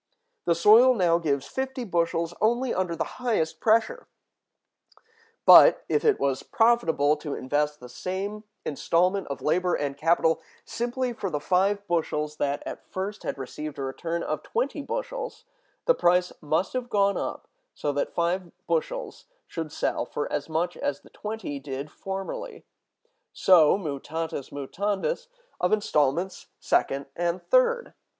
The soil now gives fifty bushels only under the highest pressure. But, if it was profitable to invest the same installment of labor and capital simply for the five bushels that at first had received a return of twenty bushels, the price must have gone up so that five bushels should sell for as much as the twenty did formerly; so, mutatis mutandis, of installments second and third.